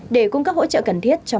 để cung cấp hỗ trợ cần thiết cho maroc